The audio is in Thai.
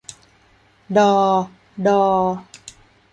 ดอ ฎอ